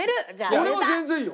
俺は全然いいよ。